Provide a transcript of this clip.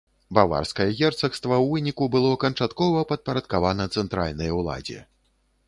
Баварскае герцагства ў выніку было канчаткова падпарадкавана цэнтральнай уладзе.